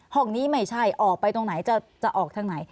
ห้องนี้ไม่ใช่ออกไปตรงไหนจะออกทางไหน